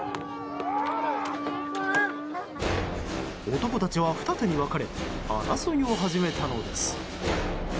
男たちは二手に分かれ争いを始めたのです。